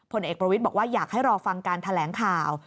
ผลเอกประวิทย์บอกว่าอยากให้รอฟังการแถลงข่าว